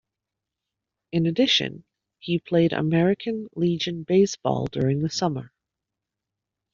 In addition, he played American Legion Baseball during the summer.